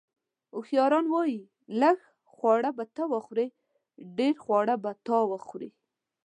اوښیاران وایي: لږ خواړه به ته وخورې، ډېر خواړه به تا وخوري.